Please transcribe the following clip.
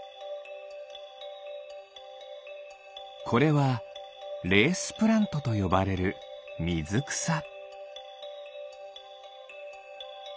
これはレースプラントとよばれるみずくさ。